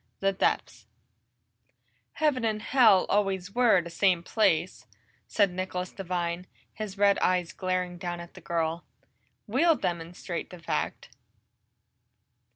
26 The Depths "Heaven and Hell always were the same place," said Nicholas Devine, his red eyes glaring down at the girl. "We'll demonstrate the fact."